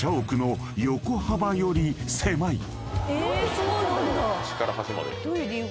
そうなんだ。